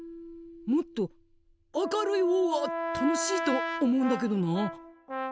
もっと明るい方が楽しいと思うんだけどなあ。